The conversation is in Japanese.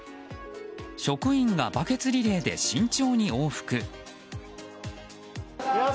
職員がバケツリレーで慎重に往復。